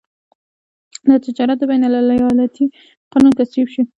د تجارت د بین الایالتي قانون تصویب شو.